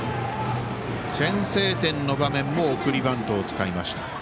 先制点の場面も送りバントを使いました。